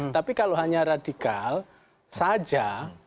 tapi kalau hanya radikal saja